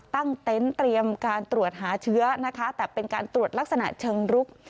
เต็นต์เตรียมการตรวจหาเชื้อนะคะแต่เป็นการตรวจลักษณะเชิงรุก